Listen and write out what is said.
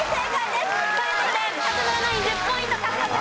という事で勝村ナイン１０ポイント獲得です。